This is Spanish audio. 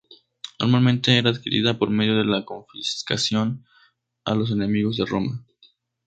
Normalmente, era adquirida por medio de la confiscación a los enemigos de Roma.